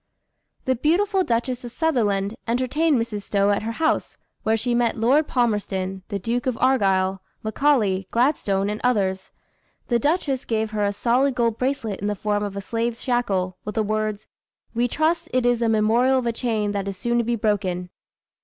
The beautiful Duchess of Sutherland entertained Mrs. Stowe at her house, where she met Lord Palmerston, the Duke of Argyle, Macaulay, Gladstone, and others. The duchess gave her a solid gold bracelet in the form of a slave's shackle, with the words, "We trust it is a memorial of a chain that is soon to be broken."